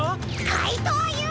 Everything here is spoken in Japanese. かいとうＵ！